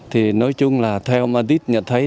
thì nói chung là theo mà tít nhận thấy